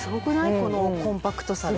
このコンパクトさで。